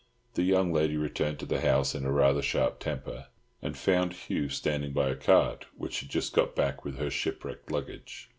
The young lady returned to the house in rather a sharp temper, and found Hugh standing by a cart, which had just got back with her shipwrecked luggage.